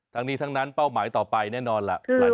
ทั้งนี้ทั้งนั้นเป้าหมายต่อไปแน่นอนล่ะ